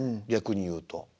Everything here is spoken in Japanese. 逆に言うと。